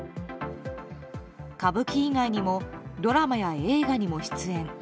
歌舞伎以外にもドラマや映画にも出演。